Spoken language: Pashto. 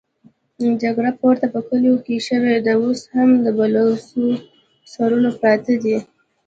جګړه پورته په کليو کې شوې ده، اوس هم د بلوڅو سرونه پراته دي.